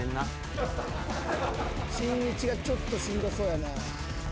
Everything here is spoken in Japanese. しんいちがちょっとしんどそうやな。